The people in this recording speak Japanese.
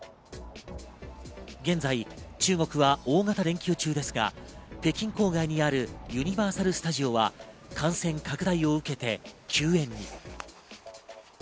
現在、中国は大型連休中ですが、北京郊外にあるユニバーサル・スタジオは、感染拡大を受けて休園に。